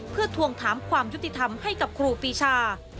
เพื่อทวงถามความยุติธรรมให้กับครูปีชา